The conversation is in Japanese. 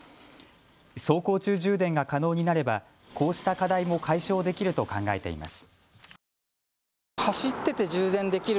走行中充電が可能になればこうした課題も解消できると考えています。